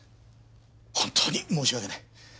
本当に申し訳ない。